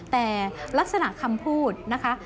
แต่ลักษณะคำพูดนะคะ